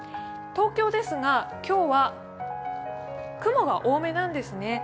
東京ですが、今日は雲が多めなんですね。